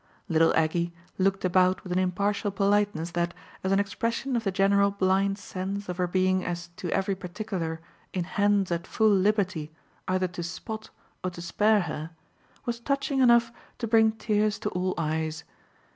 Little Aggie looked about with an impartial politeness that, as an expression of the general blind sense of her being as to every particular in hands at full liberty either to spot or to spare her, was touching enough to bring tears to all eyes.